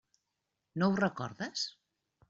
No ho recordes?